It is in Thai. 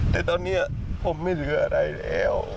แต่ตอนนี้ผมไม่เหลืออะไรแล้ว